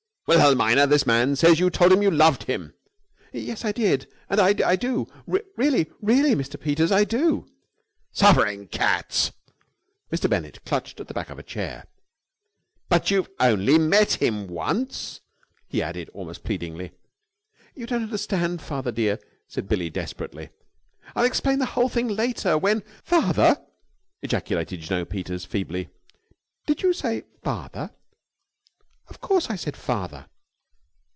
"Wilhelmina, this man says that you told him you loved him." "Yes, I did, and I do. Really, really, Mr. Peters, I do!" "Suffering cats!" Mr. Bennett clutched at the back of a chair. "But you've only met him once!" he added almost pleadingly. "You don't understand, father dear," said Billie desperately. "I'll explain the whole thing later, when...." "Father!" ejaculated Jno. Peters feebly. "Did you say 'father'?" "Of course I said 'father'!"